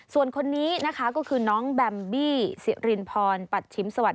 ส่วนคนนี้นะคะก็คือน้องแบมบี้สิรินพรปัชชิมสวัสด